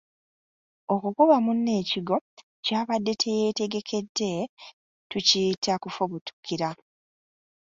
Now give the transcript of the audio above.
Okukuba munno ekigwo kyabadde teyeetegekedde, tukiyita kufubutukira